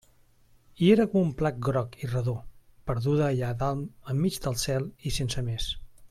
I era com un plat groc i redó, perduda allà dalt enmig del cel i sense més.